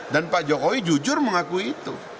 dan pak jokowi jujur mengakui itu